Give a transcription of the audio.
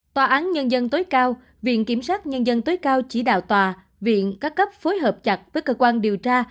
tòa án nhân dân tối cao viện kiểm sát nhân dân tối cao chỉ đạo tòa viện các cấp phối hợp chặt với cơ quan điều tra